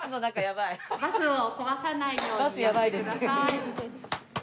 バスを壊さないようにやってください。